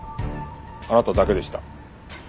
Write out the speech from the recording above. あなただけでした。